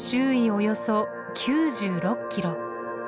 およそ９６キロ。